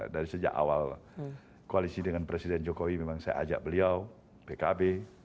dari sejak awal koalisi dengan presiden jokowi memang saya ajak beliau pkb